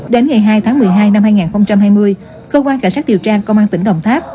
đến ngày hai tháng một mươi hai năm hai nghìn hai mươi cơ quan cảnh sát điều tra công an tỉnh đồng tháp